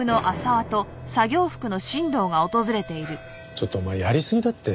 ちょっとお前やりすぎだって。